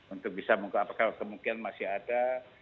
untuk bisa mengungkap apakah kemungkinan masih ada